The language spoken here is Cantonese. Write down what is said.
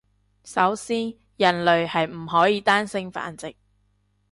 首先人類係唔可以單性繁殖